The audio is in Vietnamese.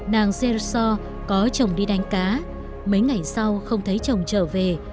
nàng sereso có chồng đi đánh cá mấy ngày sau không thấy chồng trở về